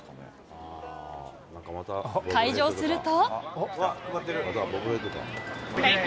開場すると。